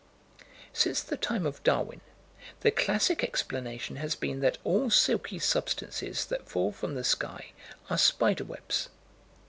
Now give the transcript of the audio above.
Since the time of Darwin, the classic explanation has been that all silky substances that fall from the sky are spider webs.